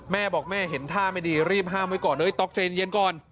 แม่บอกแม่เห็นท่าไม่ดีรีบห้ามไว้ก่อนเฮ้ยต๊อกใจเย็นก่อน